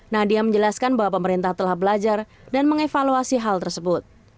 nadia menjelaskan bahwa pemerintah telah belajar dan mengevaluasi hal tersebut